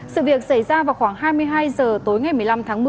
sự việc xảy ra vào khoảng hai mươi hai h tối ngày một mươi năm tháng một mươi